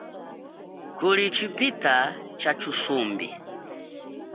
Kuli chipita cha thusumbi.